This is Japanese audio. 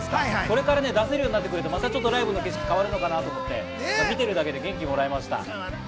これから出せるようになってくると、またライブの景色が変わるのかなと思って、見てるだけで元気もらえました。